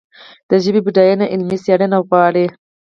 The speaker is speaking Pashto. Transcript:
د ژبې بډاینه علمي څېړنې غواړي.